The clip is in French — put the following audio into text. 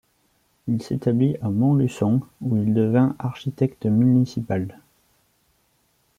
Il s'établit à Montluçon où il devient architecte municipal.